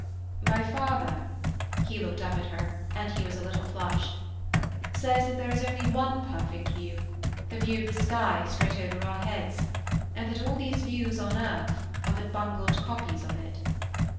"My father"—he looked up at her (and he was a little flushed)—"says that there is only one perfect view—the view of the sky straight over our heads, and that all these views on earth are but bungled copies of it."